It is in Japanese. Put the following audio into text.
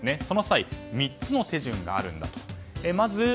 その際、３つの手順があります。